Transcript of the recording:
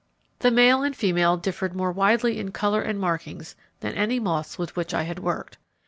The male and female differed more widely in colour and markings than any moths with which I had worked.